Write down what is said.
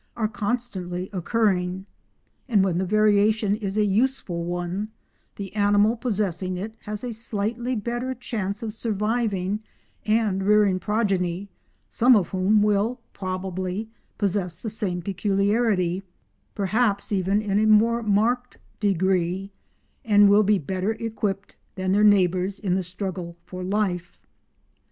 are constantly occurring, and when the variation is a useful one the animal possessing it has a slightly better chance of surviving and rearing progeny, some of whom will probably possess the same peculiarity, perhaps even in a more marked degree, and will be better equipped than their neighbours in the struggle for life.